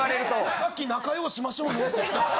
さっき仲良うしましょうねって言ってた。